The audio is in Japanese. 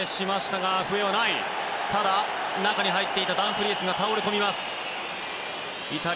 ただ、中に入っていたダンフリースが倒れ込みました。